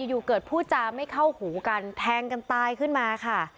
อยู่เกิดพูดจาไม่เข้าหูกันแทงกันตายขึ้นมาค่ะ